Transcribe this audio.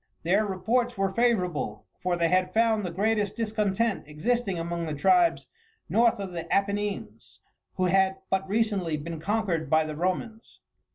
Their reports were favourable, for they had found the greatest discontent existing among the tribes north of the Apennines, who had but recently been conquered by the Romans.